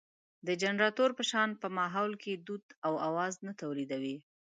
د جنراتور په شان په ماحول کې دود او اواز نه تولېدوي.